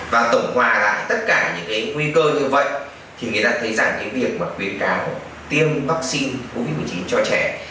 và tổng hòa lại tất cả những cái nguy cơ như vậy thì người ta thấy rằng cái việc mà khuyến cáo tiêm vaccine covid một mươi chín cho trẻ